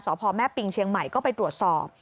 พ่อแม่ปิงเชียงใหม่ก็ไปตรวจสอบ